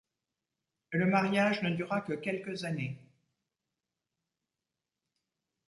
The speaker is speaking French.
Le mariage ne dura que quelques années.